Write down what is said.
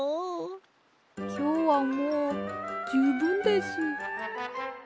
きょうはもうじゅうぶんです。